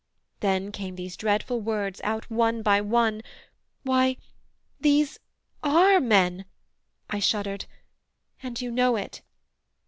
Then came these dreadful words out one by one, "Why these are men:" I shuddered: "and you know it."